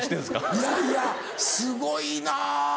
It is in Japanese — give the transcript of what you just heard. いやいやすごいな。